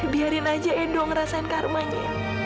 biarin aja endo ngerasain karmanya